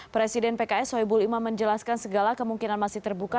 presiden pks soebul imam menjelaskan segala kemungkinan masih terbuka